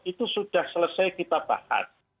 itu sudah selesai kita bahas